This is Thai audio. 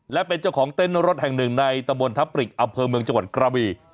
และเป็นเจ้าของเต้นรถแห่งหนึ่งในตะบนทับปริกอำเภอเมืองจังหวัดกระบี